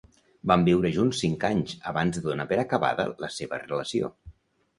Van viure junts cinc anys abans de donar per acabada la seva relació.